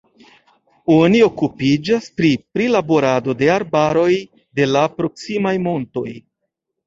Oni okupiĝas pri prilaborado de arbaroj de la proksimaj montoj.